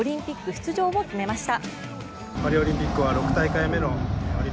出場を決めました。